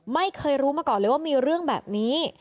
ไม่เคยรู้มาก่อนเลยว่ามีเรื่องแบบนี้